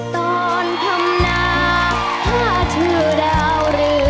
ตอนทำหนาผ้าเทือดาว